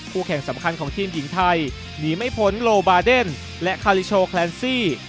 แข่งสำคัญของทีมหญิงไทยหนีไม่พ้นโลบาเดนและคาลิโชแคลนซี่